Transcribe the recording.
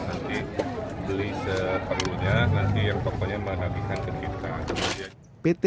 nanti beli seperlunya nanti yang pokoknya menagihkan ke kita